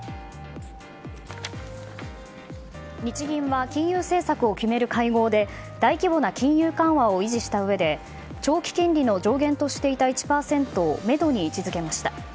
日銀は金融政策を決める会合で大規模な金融政策を維持したうえで長期金利の上限としていた１％をめどに位置付けました。